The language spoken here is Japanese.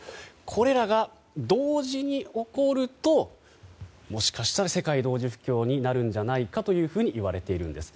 これらが同時に起こるともしかしたら世界同時不況になるんじゃないかというふうに言われているんです。